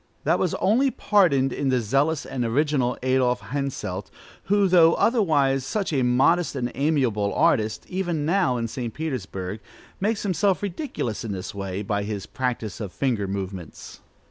That was only pardoned in the zealous and original Adolph Henselt, who, though otherwise such a modest and amiable artist, even now, in St. Petersburg, makes himself ridiculous in this way, by his practice of finger movements.